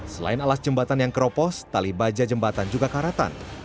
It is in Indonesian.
selain alas jembatan yang keropos tali baja jembatan juga karatan